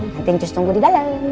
nanti yang cus tunggu di dalam